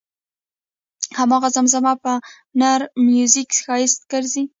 هماغه زمزمه په نر میوزیک ښایسته ګرځي.